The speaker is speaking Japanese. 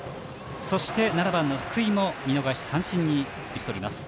そして７番の福井も見逃し三振に打ち取ります。